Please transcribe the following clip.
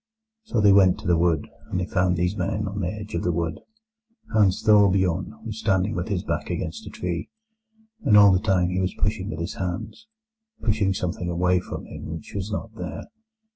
"So they went to the wood, and they found these men on the edge of the wood. Hans Thorbjorn was standing with his back against a tree, and all the time he was pushing with his hands—pushing something away from him which was not there.